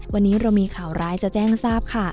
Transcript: วันนี้เรามีข่าวร้ายจะแจ้งทราบค่ะ